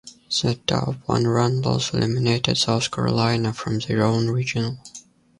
The tough one run loss eliminated South Carolina from their own regional.